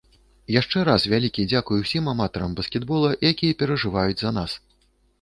Яшчэ раз вялізны дзякуй ўсім аматарам баскетбола, якія перажываюць за нас!